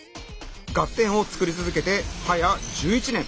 「ガッテン！」を作り続けてはや１１年。